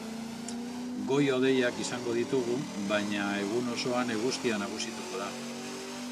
Goi-hodeiak izango ditugu, baina egun osoan eguzkia nagusituko da.